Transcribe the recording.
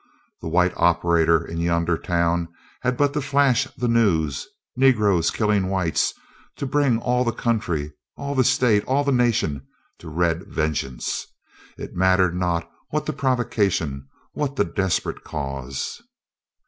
The white operatore in yonder town had but to flash the news, "Negroes killing whites," to bring all the country, all the State, all the nation, to red vengeance. It mattered not what the provocation, what the desperate cause.